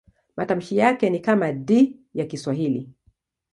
Matamshi yake ni kama D ya Kiswahili.